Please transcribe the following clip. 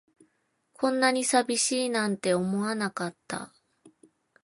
こんなに寂しいなんて思わなかった